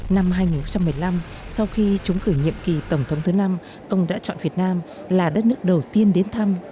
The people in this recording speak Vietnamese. năm hai nghìn một mươi năm sau khi chúng cử nhiệm kỳ tổng thống thứ năm ông đã chọn việt nam là đất nước đầu tiên đến thăm